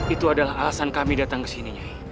itu adalah alasan kami datang ke sini nyai